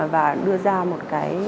và đưa ra một